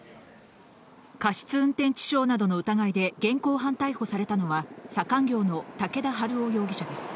過失運転致傷などの疑いで現行犯逮捕されたのは左官業の竹田春男容疑者です。